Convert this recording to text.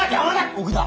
奥田！